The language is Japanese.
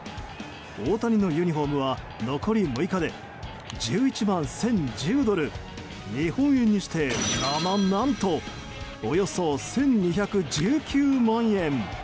大谷のユニホームは残り６日で１１万１０１０ドル日本円にして、な、何とおよそ１２１９万円。